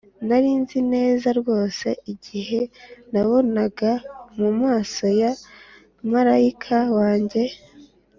nari nzi neza rwose igihe nabonaga mumaso ya marayika wanjye.